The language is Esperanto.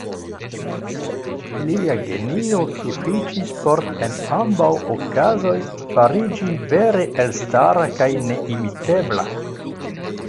Lia genio sufiĉis por en ambaŭ okazoj fariĝi vere elstara kaj neimitebla.